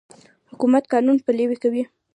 حکومت قانون پلی کوي.